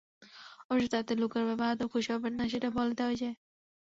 অবশ্য তাতে লুকার বাবা আদৌ খুশি হবেন না, সেটি বলে দেওয়াই যায়।